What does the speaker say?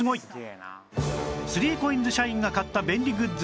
３ＣＯＩＮＳ 社員が買った便利グッズ